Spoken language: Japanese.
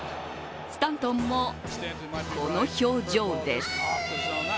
スタントンもこの表情です。